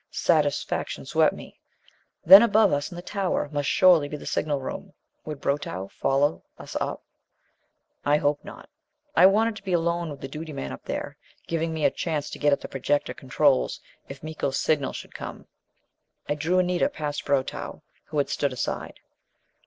Satisfaction swept me. Then above us in the tower, must surely be the signal room. Would Brotow follow us up? I hoped not. I wanted to be alone with the duty man up there, giving me a chance to get at the projector controls if Miko's signal should come. I drew Anita past Brotow, who had stood aside.